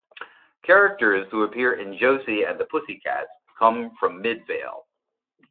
Characters who appear in Josie and the Pussycats come from Midvale.